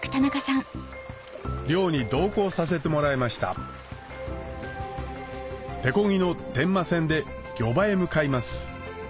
漁に同行させてもらいました手こぎの天馬船で漁場へ向かいます